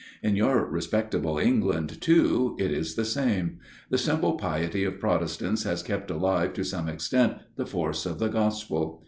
In your respectable England, too, it is the same ; the simple piety of Protestants has kept alive to some extent the force of the Gospel.